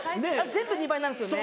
全部２倍になるんですよね。